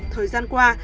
thời gian qua